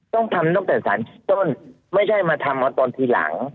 ต้องทำตั้งแต่สารต้นไม่ใช่มาทำเอาตอนทีหลัง